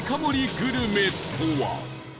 グルメとは？